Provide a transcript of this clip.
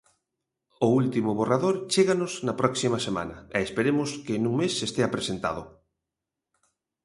O último borrador chéganos na próxima semana, e esperemos que nun mes estea presentado.